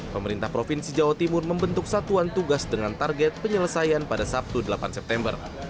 pemerintah provinsi jawa timur membentuk satuan tugas dengan target penyelesaian pada sabtu delapan september